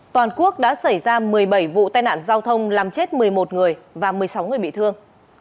toàn quốc đã xảy ra một mươi bảy vụ tai nạn giao thông làm chết một mươi một người và một mươi sáu người bị thương